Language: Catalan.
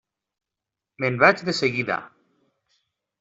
Me'n vaig de seguida.